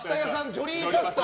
ジョリーパスタ？